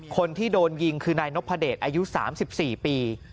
คนที่โดนยิงคือนายนพเดชอายุ๓๔ปี